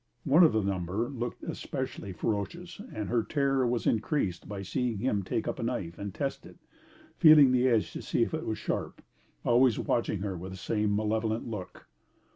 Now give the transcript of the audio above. One of the number looked especially ferocious and her terror was increased by seeing him take up a knife and test it, feeling the edge to see if it was sharp, always watching her with the same malevolent look.